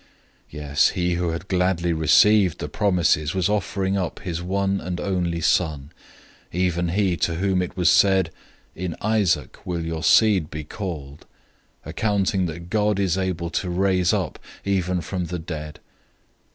Yes, he who had gladly received the promises was offering up his one and only son; 011:018 even he to whom it was said, "In Isaac will your seed be called;"{Genesis 21:12} 011:019 concluding that God is able to raise up even from the dead.